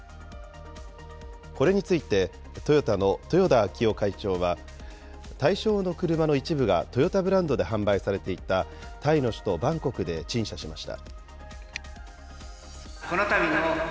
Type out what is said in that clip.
これについて、トヨタの豊田章男会長は、対象の車の一部がトヨタブランドで販売されていた、タイの首都バンコクで陳謝しました。